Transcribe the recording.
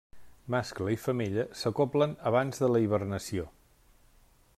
Mascle i femella s'acoblen abans de la hibernació.